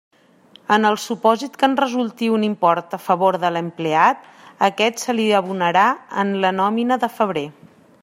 En el supòsit que en resulti un import a favor de l'empleat, aquest se li abonarà en la nòmina de febrer.